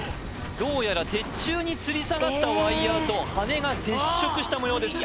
どうやら鉄柱につり下がったワイヤーと羽根が接触したもようです